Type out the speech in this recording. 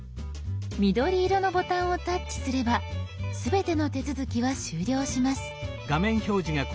緑色のボタンをタッチすれば全ての手続きは終了します。